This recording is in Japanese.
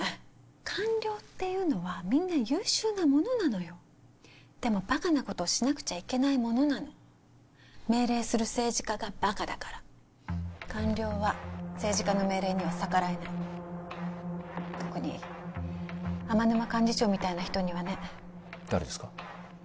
官僚っていうのはみんな優秀なものなのよでもバカなことをしなくちゃいけないものなの命令する政治家がバカだから官僚は政治家の命令には逆らえない特に天沼幹事長みたいな人にはね誰ですか？